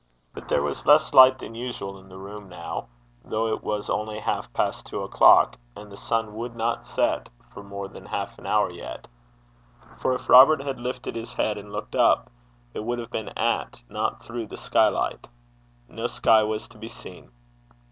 But there was less light than usual in the room now, though it was only half past two o'clock, and the sun would not set for more than half an hour yet; for if Robert had lifted his head and looked up, it would have been at, not through, the skylight. No sky was to be seen.